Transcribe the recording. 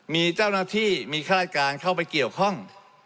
มีเจ้าหน้าที่มีข้าราชการเข้าไปเกี่ยวข้อง